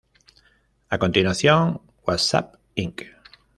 A continuación, WhatsApp Inc.